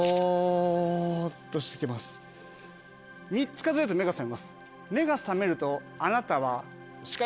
３つ数えると目が覚めます。